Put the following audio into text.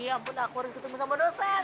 ya ampun aku harus ketemu sama dosen